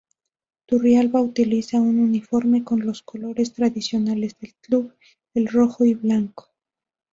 Turrialba utiliza un uniforme con los colores tradicionales del club, el rojo y blanco.